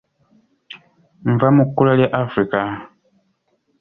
Nva mu kkula lya Africa